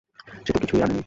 সে তো কিছুই আনে নি।